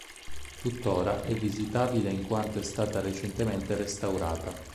Tuttora è visitabile in quanto è stata recentemente restaurata.